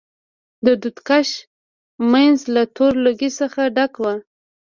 د دود کش منځ له تور لوګي څخه ډک و.